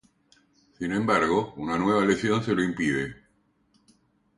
Sin embargo una nueva lesión, se lo impide.